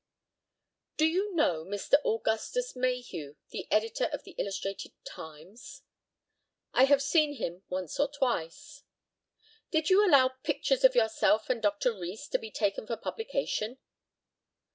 Do you know Mr. Augustus Mayhew, the editor of the Illustrated Times? I have seen him once or twice. Did you allow pictures of yourself and Dr. Rees to be taken for publication?